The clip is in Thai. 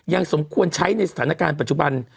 สมควรใช้ในสถานการณ์ปัจจุบัน